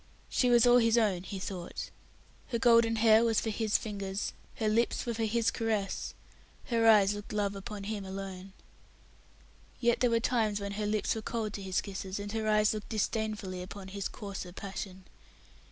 She was all his own, he thought. Her golden hair was for his fingers, her lips were for his caress, her eyes looked love upon him alone. Yet there were times when her lips were cold to his kisses, and her eyes looked disdainfully upon his coarser passion.